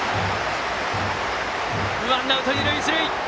ワンアウト、二塁一塁。